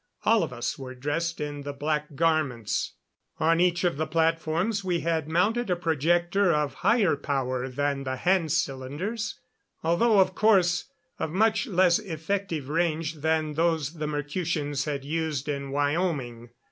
All of us were dressed in the black garments. On each of the platforms we had mounted a projector of higher power than the hand cylinders, although of course of much less effective range than those the Mercutians had used in Wyoming.